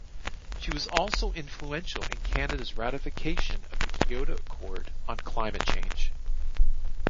She was also influential in Canada's ratification of the Kyoto Accord on Climate Change.